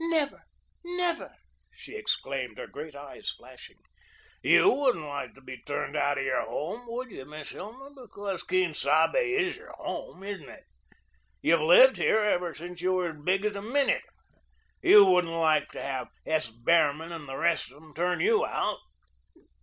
"Never, never," she exclaimed, her great eyes flashing. "YOU wouldn't like to be turned out of your home, would you, Miss Hilma, because Quien Sabe is your home isn't it? You've lived here ever since you were as big as a minute. You wouldn't like to have S. Behrman and the rest of 'em turn you out?"